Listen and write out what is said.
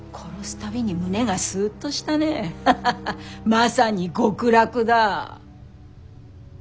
まさに極楽だ。